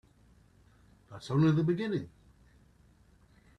That's only the beginning.